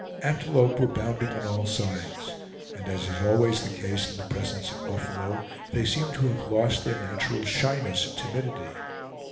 Antelope were bounding on all sides, and as is always the case in the presence of buffalo, they seemed to have lost their natural shyness and timidity.